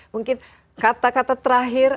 mungkin kata kata terakhir